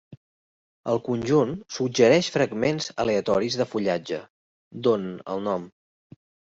El conjunt suggereix fragments aleatoris de fullatge, d'on el nom.